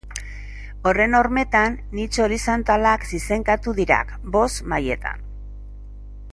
Horren hormetan, nitxo horizontalak zizelkatu dira, bost mailetan.